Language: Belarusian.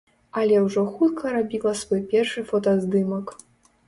Але ўжо хутка рабіла свой першы фотаздымак.